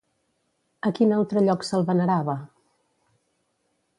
A quin altre lloc se'l venerava?